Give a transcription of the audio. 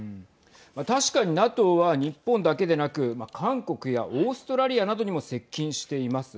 確かにＮＡＴＯは日本だけでなく韓国やオーストラリアなどにも接近しています。